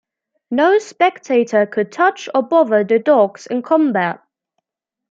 No spectator could touch or bother the dogs in combat.